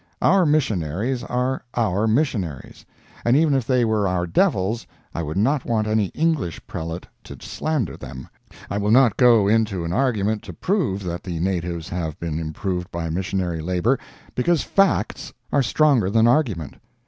Our missionaries are our missionaries—and even if they were our devils I would not want any English prelate to slander them. I will not go into an argument to prove that the natives have been improved by missionary labor—because facts are stronger than argument.